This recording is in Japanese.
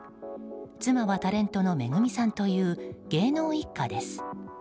妻はタレントのＭＥＧＵＭＩさんという芸能一家です。